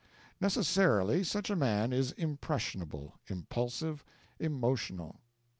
Necessarily, such a man is impressionable, impulsive, emotional.